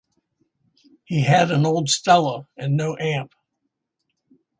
He had an old Stella and no amp.